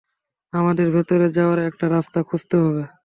আমাদের ভেতরে যাওয়ার একটা রাস্তা খুঁজতে হবে।